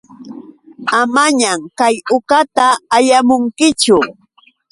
Amañam kay uqata allamunkichu.